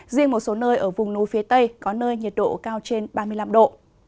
riêng một số nơi ở vùng núi phía tây có nơi nhiệt độ cao trên ba mươi năm độ